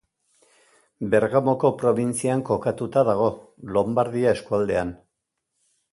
Bergamoko probintzian kokatuta dago, Lombardia eskualdean.